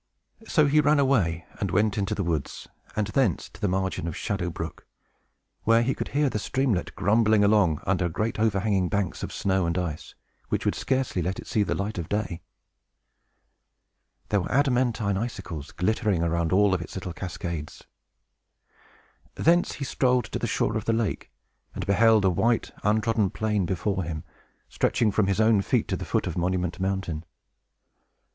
So he ran away, and went into the woods, and thence to the margin of Shadow Brook, where he could hear the streamlet grumbling along, under great overhanging banks of snow and ice, which would scarcely let it see the light of day. There were adamantine icicles glittering around all its little cascades. Thence he strolled to the shore of the lake, and beheld a white, untrodden plain before him, stretching from his own feet to the foot of Monument Mountain.